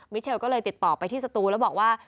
เชลก็เลยติดต่อไปที่สตูแล้วบอกว่า